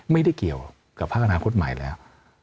ไม่ได้เกี่ยวกับภาคอนาคตใหม่แล้ว